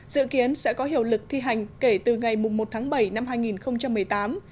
dự kiến sẽ có hiệu lực thi hành kể từ ngày một tháng bảy năm hai nghìn một mươi tám